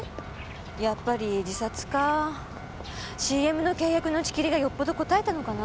やっぱり自殺かぁ。ＣＭの契約の打ち切りがよっぽどこたえたのかなぁ？